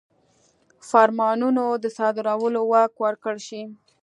فرمانونو د صادرولو واک ورکړل شي.